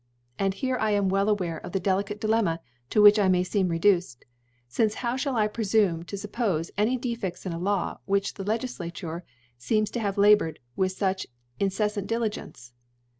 And here I am well aware of the delicate Dilemma to which 1 may fecm reduced •, fince how (hall I prefame to fuppofc any De fcfts in a Law, which the Legiflature feems to have laboured with fuch incefiant Dili gence